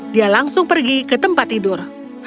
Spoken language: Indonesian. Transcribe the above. dia langsung pergi ke tempat tidur